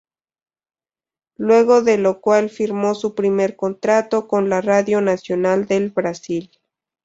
Luego de lo cual firmó su primer contrato con la Radio Nacional del Brasil.